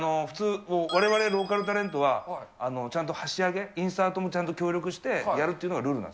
普通、われわれローカルタレントは、ちゃんと箸上げ、インサートもちゃんと協力してやるというのがル